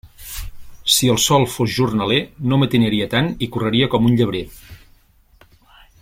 Si el sol fos jornaler, no matinaria tant i correria com un llebrer.